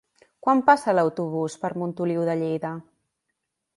Quan passa l'autobús per Montoliu de Lleida?